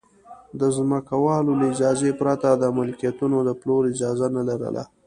د ځمکوالو له اجازې پرته د ملکیتونو د پلور اجازه نه لرله